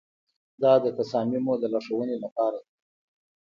دا د تصامیمو د لارښوونې لپاره دی.